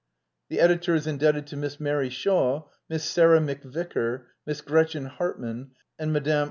The editor is indebted to Miss Mary Shaw, Miss Sarah McVicker, Miss Gretchen Hartman and Mme.